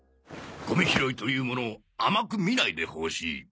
ゴミ拾いというものを甘く見ないでほしい。